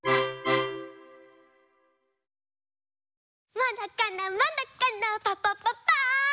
まだかなまだかなパパパパーン！